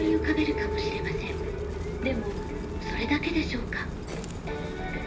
でもそれだけでしょうか？